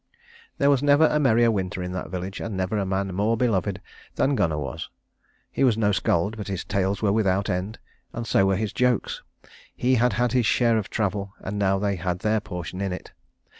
There was never a merrier winter in that village, and never a man more beloved than Gunnar was. He was no skald, but his tales were without end, and so were his jokes. He had had his share of travel, and now they had their portion in it.